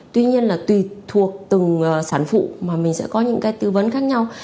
tuy nhiên là tùy thuộc từng sản phụ mà mình sẽ có những cái tư vấn khác nhau